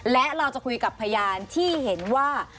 และเราจะคุยกับพยานที่เห็นว่า